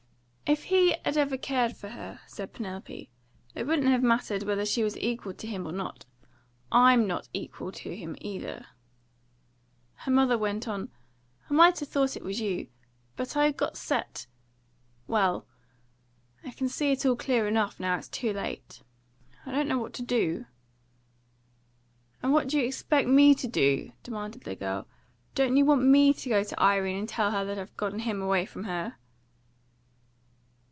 "If he had ever cared for her," said Penelope, "it wouldn't have mattered whether she was equal to him or not. I'M not equal to him either." Her mother went on: "I might have thought it was you; but I had got set Well! I can see it all clear enough, now it's too late. I don't know what to do." "And what do you expect me to do?" demanded the girl. "Do you want ME to go to Irene and tell her that I've got him away from her?"